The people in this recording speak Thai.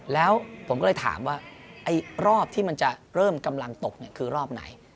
แล้วผมก็เลยถามว่าไอ้รอบที่มันจะเริ่มกำลังตกคือรอบไหน